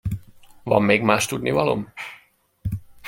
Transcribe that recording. Van még más tudnivalóm?